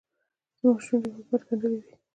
زموږ شونډې حکومت ګنډلې دي.